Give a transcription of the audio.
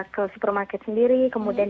ke supermarket sendiri kemudian